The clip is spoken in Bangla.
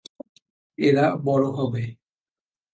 এরা বড় হবে।